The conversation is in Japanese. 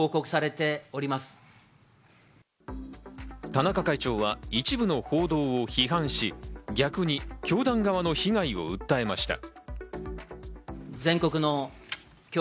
田中会長は一部の報道を批判し、逆に教団側の被害を訴えました。